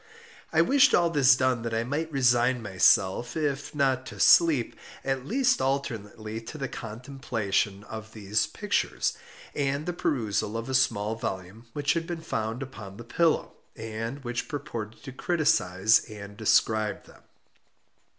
I wished all this done that I might resign myself, if not to sleep, at least alternately to the contemplation of these pictures, and the perusal of a small volume which had been found upon the pillow, and which purported to criticise and describe them.